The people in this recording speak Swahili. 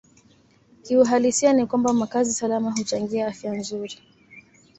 Kiuhalisia ni kwamba makazi salama huchangia afya nzuri